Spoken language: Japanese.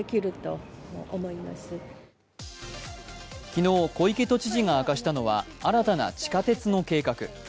昨日、小池都知事が明かしたのは新たな地下鉄の計画。